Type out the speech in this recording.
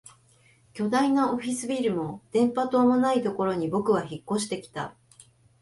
巨大なオフィスビルも電波塔もないところに僕は引っ越してきた